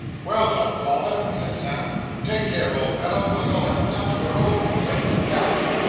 'Well done, father,' said Sam, 'take care, old fellow, or you'll have a touch of your old complaint, the gout.